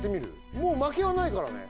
もう負けはないからね